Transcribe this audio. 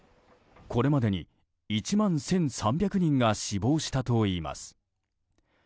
これまでに１万１３００人が死亡したといいます。